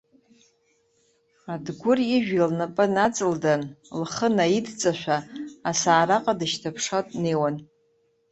Адгәыр ижәҩа лнапы наҵылдан, лхы наидҵашәа, асаараҟа дышьҭаԥшуа днеиуан.